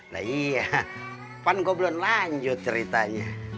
nah iya pan goblo lanjut ceritanya